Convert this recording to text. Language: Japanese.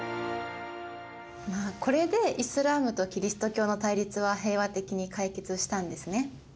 まあこれでイスラームとキリスト教の対立は平和的に解決したんですね。